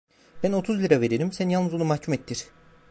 Ben otuz lira veririm; sen yalnız onu mahkum ettir!